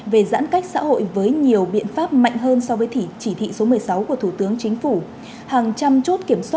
về giãn cách xã hội với nhiều biện pháp mạnh hơn so với chỉ thị số năm